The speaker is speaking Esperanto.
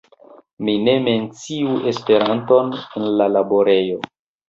Mi ne menciu Esperanton en la laborejo.